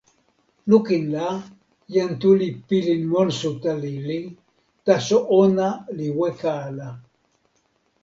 lukin la, jan Tu li pilin monsuta lili, taso ona li weka ala.